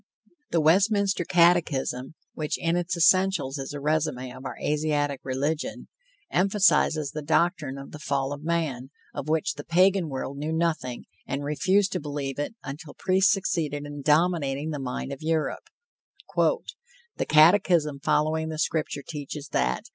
The Westminster Catechism, which in its essentials is a resume of our Asiatic religion, emphasizes the doctrine of the fall of man, of which the Pagan world knew nothing, and refused to believe it until priests succeeded in dominating the mind of Europe: "The catechism following the Scripture teaches that...